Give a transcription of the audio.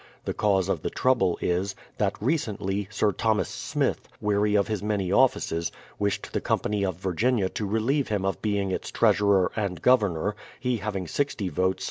The cause of the trouble is, that, recently. Sir Thomas Smith, weary of his many offices, wished the Company of Virginia to relieve him of being its treasurer and governor, — he having 60 votes.